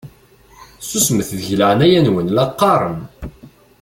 Susmet deg leɛnaya-nwen la qqaṛen!